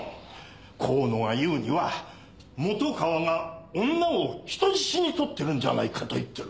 河野が言うには本川が女を人質にとってるんじゃないかと言ってる。